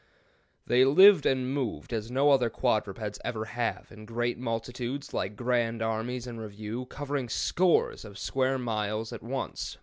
They lived and moved as no other quadrupeds ever have, in great multitudes, like grand armies in review, covering scores of square miles at once.